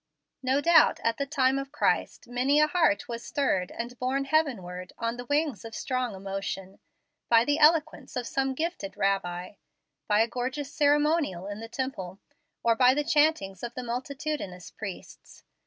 No doubt at the time of Christ many a heart was stirred and borne heavenward, on the wings of strong emotion, by the eloquence of some gifted rabbi, by a gorgeous ceremonial in the Temple, or by the chantings of the multitudinous priests.